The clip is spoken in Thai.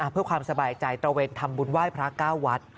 เพื่อความสบายใจตระเวนทำบุญไหว้พระเก้าวัด